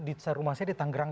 di rumah saya di tanggerang